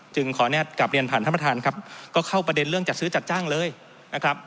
ขออนุญาตกลับเรียนผ่านท่านประธานครับก็เข้าประเด็นเรื่องจัดซื้อจัดจ้างเลยนะครับ